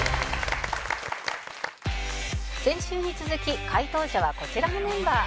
先週に続き解答者はこちらのメンバー